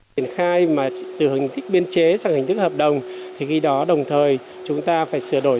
triển khai mà từ hình thức biên chế sang hình thức hợp đồng thì khi đó đồng thời chúng ta phải sửa đổi